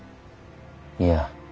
いや。